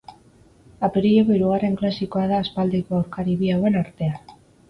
Apirileko hirugarren klasikoa da aspaldiko aurkari bi hauen artean.